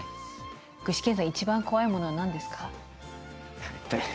具志堅さん一番怖いものは何ですか？